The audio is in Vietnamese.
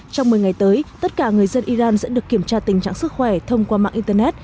trong một mươi ngày tới tất cả người dân iran sẽ được kiểm tra tình trạng sức khỏe thông qua mạng internet